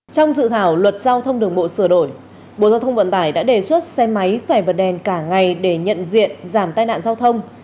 trong dự thảo luật giao thông đường bộ sửa đổi bộ giao thông vận tải đã đề xuất xe máy phải bật đèn cả ngày để nhận diện giảm tai nạn giao thông